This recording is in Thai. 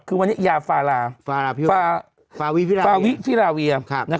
คือวันนี้ยาฟาวีพิลาเวีย